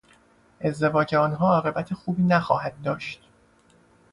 ازدواج آنها عاقبت خوبی نخواهد داشت.